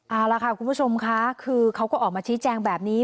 เอาล่ะค่ะคุณผู้ชมค่ะคือเขาก็ออกมาชี้แจงแบบนี้